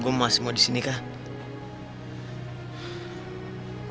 gue masih mau disini kak